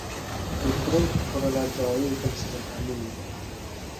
elektron kutubxonalar joriy etilishini ta’minlaydi;